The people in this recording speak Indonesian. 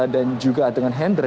dan juga dengan hendra